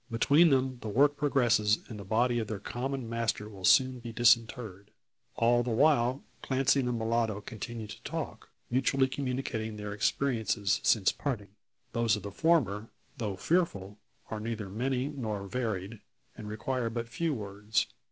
Between them the work progresses, and the body of their common master will soon be disinterred. All the while, Clancy and the mulatto continue to talk, mutually communicating their experiences since parting. Those of the former, though fearful, are neither many nor varied, and require but few words.